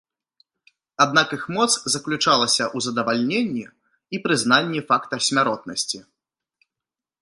Аднак іх моц заключалася ў задавальненні і прызнанні факта смяротнасці.